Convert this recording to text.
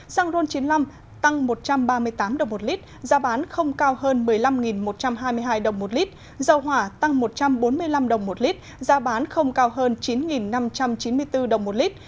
xăng ron chín mươi năm tăng một trăm ba mươi tám đồng một lít giá bán không cao hơn một mươi năm một trăm hai mươi hai đồng một lít dầu hỏa tăng một trăm bốn mươi năm đồng một lít giá bán không cao hơn chín năm trăm chín mươi bốn đồng một lít